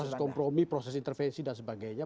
proses kompromi proses intervensi dan sebagainya